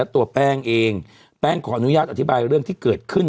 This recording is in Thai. ตัวแป้งเองแป้งขออนุญาตอธิบายเรื่องที่เกิดขึ้น